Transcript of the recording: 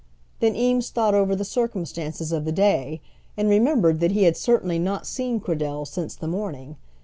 Then Eames thought over the circumstances of the day, and remembered that he had certainly not seen Cradell since the morning.